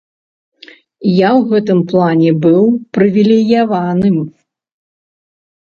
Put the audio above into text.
Я ў гэтым плане быў прывілеяваным.